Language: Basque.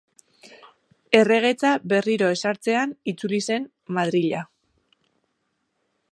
Erregetza berriro ezartzean itzuli zen Madrila.